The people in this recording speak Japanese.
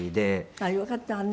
あっよかったわね。